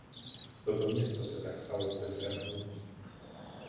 Toto město se tak stalo centrem hnutí.